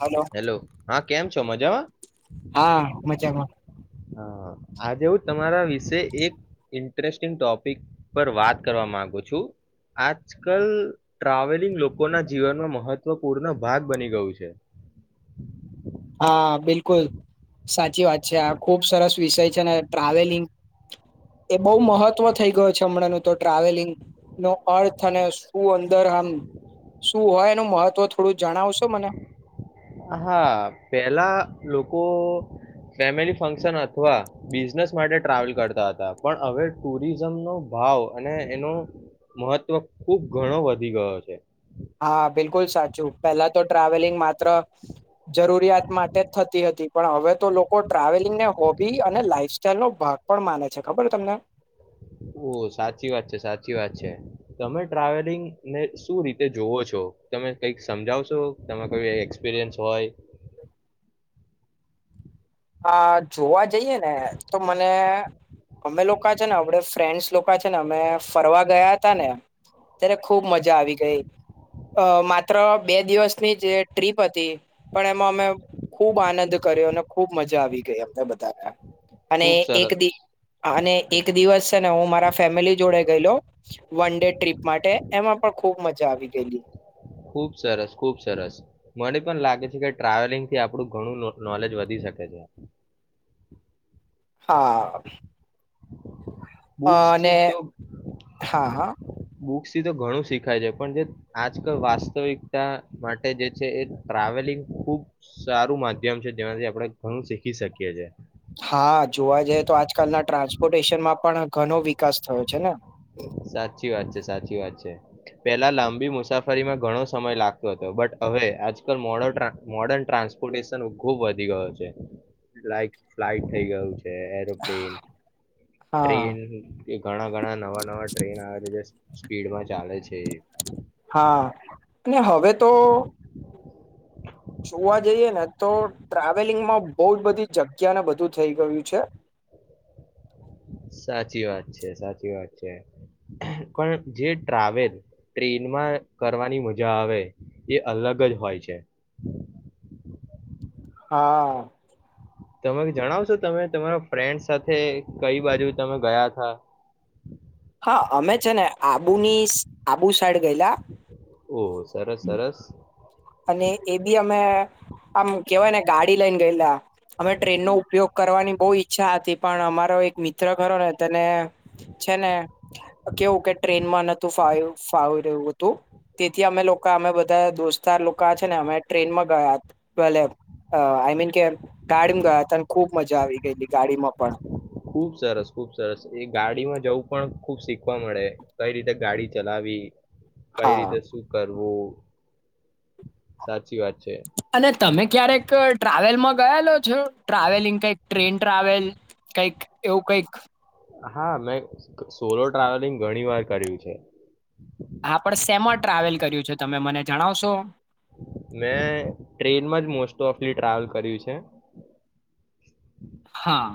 Hello hello હા. કેમ છો મજામાં હા મજામાં. હ આજે હું તમારા વિશે એક ઇન્ટરેસ્ટિંગ ટોપિક પર વાત કરવા માંગુ છું, આજ કલ ટ્રાવેલિંગ લોકોના જીવનમાં મહત્વપૂર્ણ ભાગ બની ગયું છે. હા બિલકુલ, સાચી વાત છે આ ખુબ સરસ વિષય છે ને ટ્રાવેલિંગ એ બહુ મહત્વ થઈ ગયો છે હમણાં ન તો ટ્રાવેલિંગ નો અર્થ અને શું અંદર આમ શું હોય એનું મહત્વ થોડું જણાવશો મને? હા પેલા લોકો ફેમિલી ફંક્શન અથવા બિઝનેસ માટે ટ્રાવેલ કરતા હતા પણ હવે ટુરિઝમનો ભાવ અને એનો મહત્વ ખુબ ઘણો વધી ગયો છે. હા બિલકુલ સાચું પહેલા તો ટ્રાવેલિંગ માત્ર, જરૂરિયાત માટે જ થતી હતી પણ હવે તો લોકો ટ્રાવેલિંગ ને હોબી અને લાઈફ ચલો ભાગ પણ માને છે ખબર તમને. ઓ સાચી વાત છે સાચી વાત છે, તમે ટ્રાવેલિંગ ને શું રીતે જોવો છો? તમે કઈક સમજાવ સો? તો તમે કોઈ એક્સપિરિયન્સ હોય. આ જોવા જ જઈએ ને તો મને અમે લોકા છે ને આમડે ફ્રેન્ડસ લોકા છે ને અમે ફરવા ગયા હતા ને, ત્યારે ખુબ મજા આવી ગઈ, અ માત્ર બે દિવસની જે ટ્રીપ હતી, પણ એમાં અમે ખૂબ આનંદ કર્યો અને ખુબ મજા આવી ગઈ અમને બધાને. અને ખુબ એક સરસ દિવ અને એક દિવસ તે હું મારા ફેમિલી જોડે ગયલો. વન ડે ટ્રીપ માટે એમાં પણ ખુ ખૂબ મજા આવી ગયેલી. ખુબ સરસ ખુબ સરસ, મને પણ લાગે છે કે ટ્રાવેલિંગ થી આપણું ઘણું નોલેજ વધી શકે છે. હા. [unintelligible] ઘણું અને હા હા શીખાય છે પણ જે આજકાલ વાસ્તવિકતા માટે જે છે એ ટ્રાવેલિંગ ખુબ સારું માધ્યમ છે જેમાંથી આપણે ઘણું શીખી શકીએ છે. હા જોવા જઈએ તો આજકાલના ટ્રાન્સપોર્ટેશનમાં પણ ઘણો વિકાસ થયો છે ને. સાચી વાત છે સાચી વાત છે, પેલા લાંબી મુસાફરીમાં ઘણો સમય લાગતો હતો બટ હવે આજકાલ મોડ મોડર્ન ટ્રાન્સપોર્ટેશન ખુબ વધી ગયો છે, લાઈક ફ્લાઈટ થઈ ગયું છે. એરોપ્લેન, હા ટ્રેન એ ઘણા ઘણા નવા નવા ટ્રે્રન આવે ભીડમા ચાલે છે ને હવે તો જોવા જઈએ ને તો ટ્રાવેલિંગમાં બો જ બધી જગ્યાને બધું થઇ ગયું છે સાચી વાત છે સાચી વાત છે પણ જે ટ્રાવેલ ટ્રેનમાં કરવાની મજા આવે એ અલગ જ હોય છે હા તમે જણાવશો તમે તમારા ફ્રેન્ડ સાથે કઈ બાજુ તમે ગયા તા હ અમે છે ને આબુની સાઈડ ગયેલા ઓહ સરસ સરસ અને એ બી અમે આમ કેવાય ને ગાડી લઈને ગયેલા અમે ટ્રેનનો ઉપયોગ કરવાની બો ઈચ્છા હતી પણ અમારો એક મિત્ર ખરો ને તેને છે ને કેવું કે ટ્રેનમાં નાતું ફાવી રહ્યું હતું તેથી અમે લોકો અમે બધા દોસ્ત દોસ્તાર લોકો છે ને અમે ટ્રેનમાં ગયા પેલ આઈ મીન કે ગાડીમાં ગયા હતા ખુબ મજા આવી ગયેલી ગાડીમાં પણ ખુબ સરસ ખુબ સરસ એ ગાડીમાં જવું પણ ખુબ શીખવા મળે કઈ રીતે ગાડી ચલાવી કઈ હા રીતે શું કરવું [unintelligible] સાચી વાત છે. અને તમે ક્યારેક ટ્રાવેલમાં ગયાલો છો? ટ્રાવેલિંગ કંઈક ટ્રેન ટ્રાવેલ કંઈક એવું કંઈક? હા, મેં સ-સોલો ટ્રાવેલિંગ ઘણી વાર કર્યું છે. હા, પણ શેમાં ટ્રાવેલ કર્યું છે તમે મને જણાવશો? મેં ટ્રેનમાં જ મોસ્ટ ઓફલી ટ્રાવેલ કર્યું છે. હા.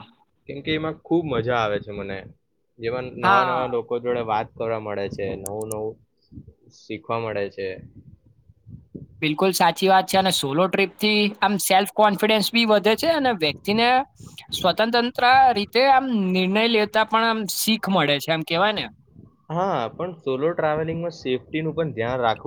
કેમકે એમાં ખુબ મજા આવે છે મને. જેમાં નવા નવા હા. લોકો જોડે વાત કરવા મળે છે, નવું નવું શીખવા મળે છે. બિલકુલ સાચી વાત છે અને સોલો ટ્રીપથી આમ સેલ્ફ કોન્ફિડન્સ બી વધે છે અને વ્યક્તિને સ્વતંતંત્ર રીતે આમ નિર્ણય લેતા પણ આમ શીખ મળે છે એમ કેવાય ને. હા, પણ સોલો ટ્રાવેલિંગનું સેફ્ટીનું પણ ધ્યાન રાખવુ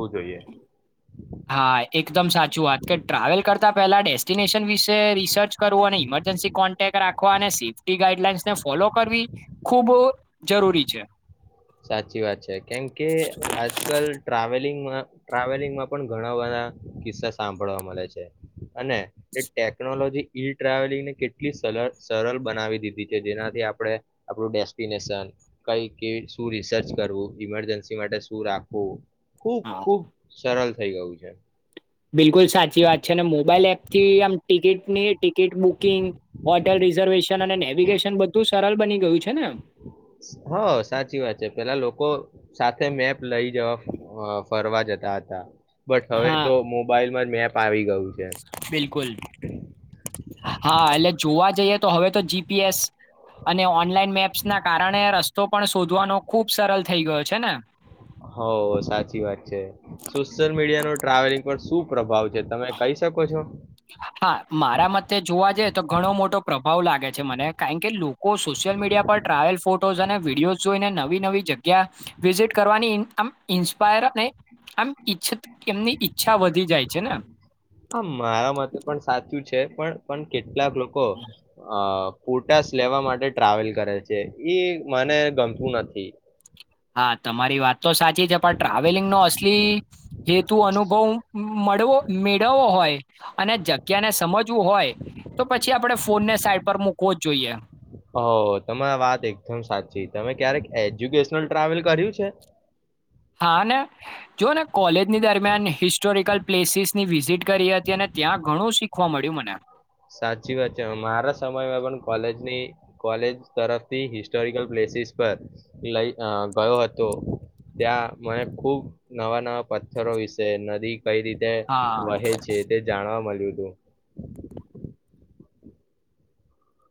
હા, એકદમ સાચું વાત કે ટ્રાવેલ કર તા પેલા ડેસ્ટિનેશન વિશે રિસર્ચ કરવું અને ઇમરજન્સી કોન્ટેક રાખવા અને સેફ્ટી ગાઈડલાઈન્સને ફોલો કરવી ખૂબ જરૂરી છે. ત સાચી વાત છે. કેમ કે આજકાલ ટ્રાવેલિંગ માં-ટ્રાવેલિંગમાં પણ ઘણા બધા કિસ્સા સાંભળવા મલે છે અને એ ટેકનોલોજી ઈ ટ્રાવેલિંગને કેટલી સલહ-સરલ બનાવી દીધી છે. જેનાથી આપડે આપણું ડેસ્ટિનેશન, કઈ કિસ શું રિસર્ચ કરવું, ઇમરજન્સી માટે શું રાખવું ખુબ હા, ખુબ સરલ થઈ ગયું છે. બિલકુલ સાચી વાત છે ને મોબાઈલ એપથી આમ ticket net ticket booking, hotel reservation અને નેવિગેશન બધું સરલ બની ગયું છે ને. હા સાચી વાત છે પેલા લોકો સાથે મેપ લઇ જવા અઅ ફરવા જતા હતા. બટ હવે હા, તો મોબાઈલમાં મેપ આવી ગયું છે. બિલકુલ હા એટલે જોવા જઈએ તો હવે તો જીપીએસ અને ઓનલાઈન મેપ્સના કારણે રસ્તો પણ શોધવાનો ખુબ સરલ થઈ ગયો છે ને હ સાચી વાત છે સોશિયલ મીડિયાનો ટ્રાવેલિંગ પર શું પ્રભાવ છે તમે કહી શકો છો હા, મારા મતે જોવા જઈ તો ઘણો મોટો પ્રભાવ લાગે છે મને કારન કે લોકો સોશિયલ મીડિયા પર ટ્રાવેલ ફોટોઝ અને વિડીયોઝ જોઈને નવી નવી જગ્યા વિઝિટ કરવાની આમ ઇન્સ્પાયર અને આમ ઈછત એમની ઈચ્છા વધી જાય છે ને આ મારા મતે પણ સાચું છે પણ પણ કેટ કેટલાક લોકો અ ફોટાશ લેવા માટે ટ્રાવેલ કરે છે એ મને ગમતું નથી. હા તમારી વાત તો સાચી છે પણ ટ્રાવેલિંગનો અસલી હે તું અનુભવ મળવો મેળવવો હોય અને જગ્યાને સમજવું હોય તો પછી આપડે ફોનને સા પર મૂકવો જ જોઈએ. હ તમારા વાત એકદમ સાચી તમે ક્યારેક એજ્યુકેશનલ ટ્રાવેલ કર્યું છે. હા ને જો ને કોલેજ ની દરમિયાન હિસ્ટોરિકલ પ્લેસસની વિઝિટ કરી હતી અને ત્યાં ઘણું શી ખવા મળ્યું મને સાચી વાત છે મારા સમયમાં પણ કોલેજની કોલેજ તરફથી હિસ્ટોરિકલ પ્લેસીસ પર લઈ અ ગયો હતો ત્યાં મને ખુબ નવા નવા પથ્થરો વિશે નદી કઈ રીતે હા વહે છે તે જાણવા મ [inaudible]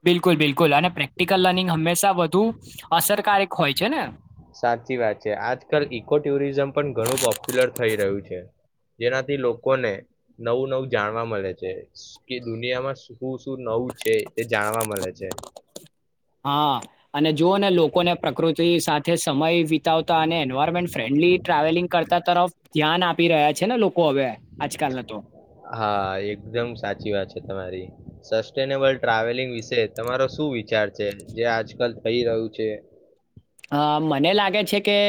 બિલકુલ બિલકુલ અને પ્રેક્ટિકલ લર્નિંગ હંમેશા વધુ અસરકારક હોય છે ને સાચી વાત છે આજકાલ ઇકો ટુરિઝમ પણ ઘણું પોપ્યુલર થઈ રહ્યું છે જેનાથી લોકોને નવું નવું જાણવા મલે છે કે દુનિયામાં શું શું નવું છે તે જાણવા મલે છે. હા અને જુઓ ને લોકોને પ્રકૃતિ સાથે સમય વિતાવતા અને એન્વાયરમેન્ટ ફ્રેન્ડલી ટ્રાવેલિંગ કરતા તરફ ધ્યાન આપી રહ્યા છે ને લો- હા એકદમ સાચી વાત છે તમારી સેસતેનેબલ ટ્રાવેલિંગ વિશે તમારો શું વિચાર છે જે આજકાલ થઈ રહ્યું છે. હ મને લાગે છે કે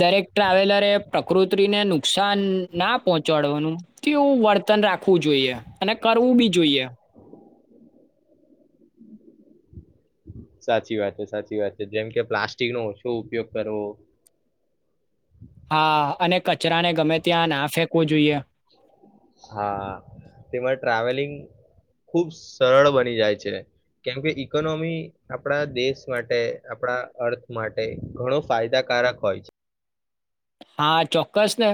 દરેક ટ્રાવેલરે પ્રકૃતિને નુકસાન ના પહોચાડવાનું કેવું વર્તન રાખવું જોઈએ અને કરવું બી જોઈએ સાચી વાત છે સાચી વાત છે જેમ કે પ્લાસ્ટિક નો ઓછો ઉપયોગ કરવો હા અને કચ ચરાને ગમે ત્યાં ના ફેંકવો જોઈએ. હા તેમાં ટ્રાવેલિંગ ખુબ સરળ બની જાય છે કેમકે ઈકોનોમી આપણા દેશ માટે આપણા અર્થ માટે ઘણો ફાયદાકારક હોય છે. હા ચોક્કસ ને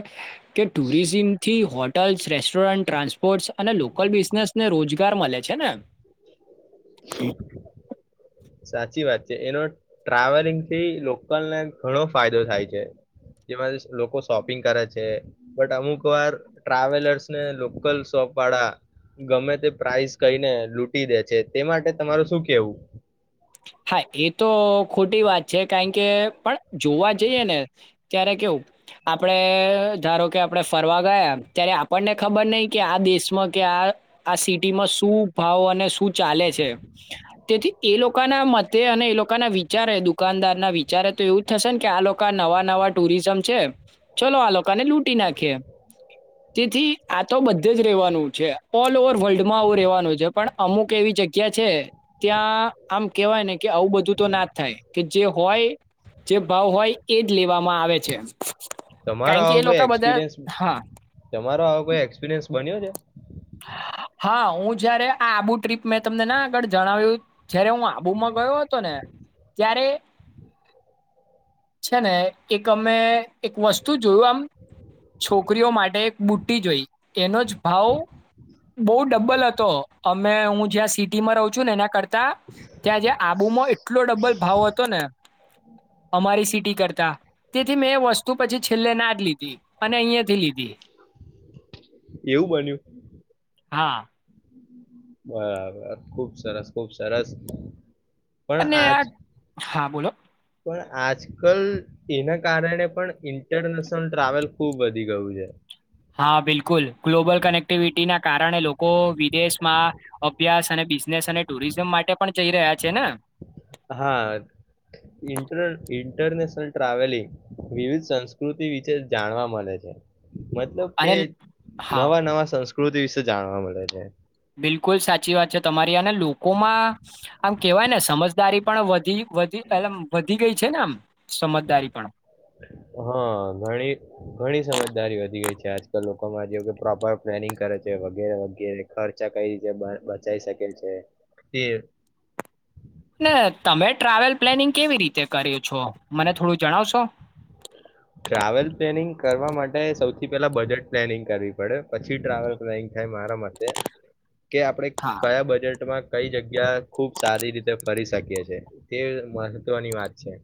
કે ટુરિઝીમ થી હોટલ્સ રેસ્ટોરન્ટ ટ્રાન્સ પોર્ટસ અને લોકલ બિઝનેસને રોજ ગાર મલે છે ને [inaudible] સાચી વાત છે એનો ટ્રાવેલિંગ થી લોકલને ઘણો ફાયદો થાય છે જેમાંથી લોકો શોપિંગ કરે છે બટ અમુક વાર ટ્રાવેલર્સ ને લોકલ શોપ વાળા ગમે તે પ્રાઈસ કઈને લૂટી દે છે તે માટે તમારું શું કેવું હા એ તો ખોટી વાત છે કારણ કે પણ જોવા જઈએ ને ત્યારે કેવું આપણે ધારો કે આપણે ફરવા ગયા ત્યારે આપણને ખબર નહી કે આ દેશમાં કે આ આ સિટીમાં શું ભાવ અને શું ચાલે છે તેથી એ લો કા ના મ અને એ લોકોના વિચારે દુકાનદાર ના વિચારે તો એવું જ થશે ને કે આ લોકો નવા નવા ટુરિઝમ છે ચલો આ લોકોને લૂટી નાખયે તેથી આ તો બધે જ રેવાનું છે ઓલ ઓવર વર્લ્ડમાં આવું રેવાનું છે પણ અમુક એવી જગ્યા છે ત્યાં આમ કેવાય ને કે આવું બધું તો ના થાય કે જે હોય જે ભાવ હોય એજ લેવા તમારો આવો એ કોઈ લોકો બધા એક્સપિરિયન્સ હા તમારો આવો કોઈ એક્સપિરિયન્સ બન્યો છે. હા ઉ જયારે આ આબુ ટ્રીપ મેં તમને ના આગળ જણાવ્યું જયારે હું આબુમાં ગયો હતો ને ત્યારે છે ને એક અમે એક વસ્તુ જોયું આમ છોકરીઓ માટે એક બુટ્ટી જોઈ એનો જ ભાવ બો ડબલ હતો અમે હું જ્યાં સિટીમાં રહ છું ને એના કર તા ત્યાં જ્યા આબુમાં એટલો ડબલ ભાવ હતો ને અમારી સિટી કરતા તેથી મેં વસ્તુ પછી છેલ્લે ના જ લીધી અને અહિયાંથી લીધી એવું બન્યું હા બરાબર ખુબ સરસ ખુબ સરસ પણ અને આજ આ હા બોલો પણ આજ કલ તેના કારણે પણ ઈન ઇન્ટરનેશનલ ટ્રાવેલ ખુબ વધી ગયું છે હા બિલકુલ ગ્લોબલ કનેક્ટિવિટીના કારણે લોકો વિદેશમાં અભ્યાસ અને બિઝનેસ અને ટુરિઝમ માટે પણ જઈ રહ્યા છે ને હા ઇન્ટર ઇન્ટરનેશનલ ટ્રાવેલિંગ વિવિધ સંસ્કૃતિ વિશે જાણવા મળે છે મતલબ કે અને હા નવા નવા સંસ પ્રકૃતિ વિશે જાણવા મળે છે બિલકુલ સાચી વાત છે તમારી આને લોકોમાં આમ કેવાય ને સમજદારી પણ વધી વધી એ વધી ગઈ છે ને આમ સમજદારી પણ હા ઘણી ઘણી સમજદારી વધી ગઈ છે આજકાલ લોકોમાં જેવ કે પ્રોપર પ્લાનિંગ કરે છે વગેરે વગેરે ખર્ચા કઈ રીતે બચાઈ શકે છે ને તમે ટ્રાવેલ પ્લાનિંગ કેવી રીતે કર્યું છો મને થોડું જણાવશો ટ્રાવેલ પ્લેનિંગ કરવા માટે સૌથી પેલા બજેટ પ્લેનિંગ કરવી પડે પછી ટ્રાવેલ પ્લેનિંગ મારા મતે કે આપડે હા. કયા બજેટમાં કઈ જગ્યા ખૂબ સારી રીતે ફરી શકી છે તે મહત્વની વાત છે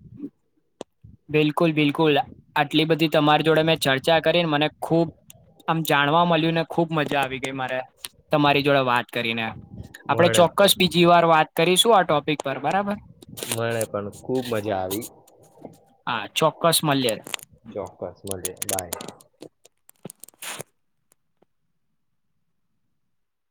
બિલકુલ બિલકુલ આટલી બધી તમારી જોડે મેં ચર્ચા કરીને મને ખુબ આમ જાણવા મળ્યું ને ખુબ મજા આવી ગઈ મારે તમારી જોડે વાત કરી ને આપણે મને ચોક્કસ પણ બીજી વાર વાત કરીશું આ ટોપિક પર બરાબર મને પણ ખૂબ મજા આવી હા ચોક્કસ મળ્યે ચોક્કસ મળ્યે બાય [inaudible]